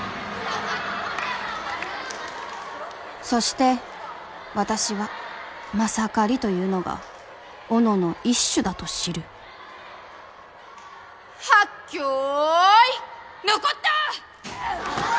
そして私は「まさかり」というのが斧の一種だと知るはっけよいのこった！